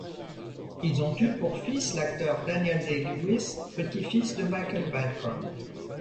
Ils ont eu pour fils l'acteur Daniel Day-Lewis, petit-fils de Michael Balcon.